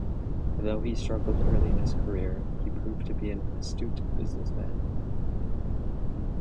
Though he struggled early in his career, he proved to be an astute businessman.